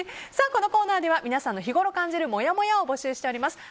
このコーナーでは皆さんの日頃感じるもやもやを募集しております。